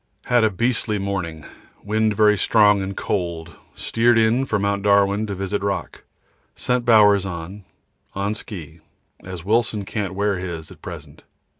Had a beastly morning. Wind very strong and cold. Steered in for Mt. Darwin to visit rock. Sent Bowers on, on ski, as Wilson can't wear his at present.